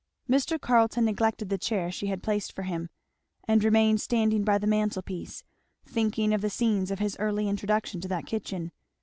Mr. Carleton neglected the chair she had placed for him, and remained standing by the mantelpiece, thinking of the scenes of his early introduction to that kitchen.